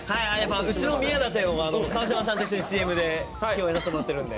うちの宮舘は川島さんと一緒に共演させてもらってるんで。